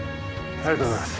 ありがとうございます。